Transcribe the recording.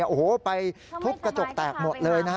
โอ้โหไปทุบกระจกแตกหมดเลยนะฮะ